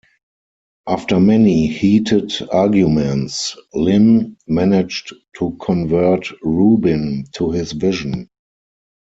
After many heated arguments, Lyne managed to convert Rubin to his vision.